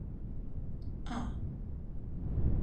仔